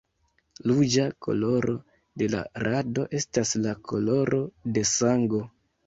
Ruĝa koloro de la rado estas la koloro de sango.